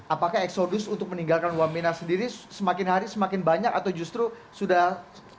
apakah eksodus untuk meninggalkan wamena sendiri semakin hari semakin banyak atau justru sudah